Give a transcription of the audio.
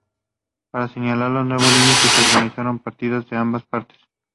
Para señalizar los nuevos límites, se organizaron partidas de ambas partes.